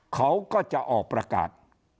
เขาก็จะออกประกาศ